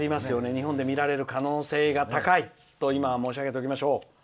日本で見られる可能性が高いと今は申し上げておきましょう。